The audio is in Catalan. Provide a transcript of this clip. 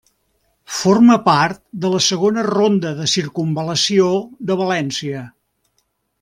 Forma part de la segona ronda de circumval·lació de València.